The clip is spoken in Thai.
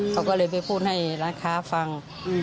เขาก็เลยไปพูดให้ร้านค้าฟัง